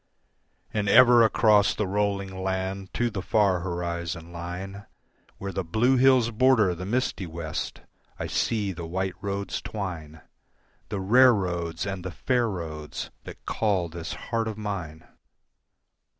And ever across the rolling land to the far horizon line, Where the blue hills border the misty west, I see the white roads twine, The rare roads and the fair roads that call this heart of mine.